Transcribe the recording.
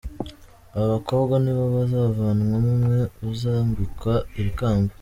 Aba bakobwa nibo bazavanwamo umwe uzambikwa iri kamba.